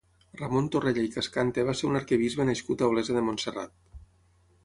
Ramon Torrella i Cascante va ser un arquebisbe nascut a Olesa de Montserrat.